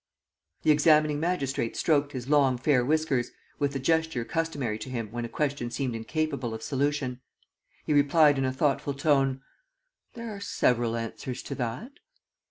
The examining magistrate stroked his long, fair whiskers, with the gesture customary to him when a question seemed incapable of solution. He replied in a thoughtful tone: "There are several answers to that.